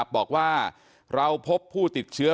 บอกว่าเราพบผู้ติดเชื้อ